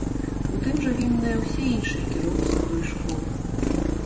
У тым жа вінныя ўсе іншыя кіроўцы ў той школы.